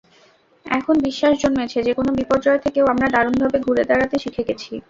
এখন বিশ্বাস জন্মেছে, যেকোনো বিপর্যয় থেকেও আমরা দারুণভাবে ঘুরে দাঁড়াতে শিখে গেছি।